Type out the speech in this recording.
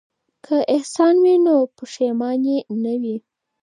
که احسان وي نو پښیماني نه وي.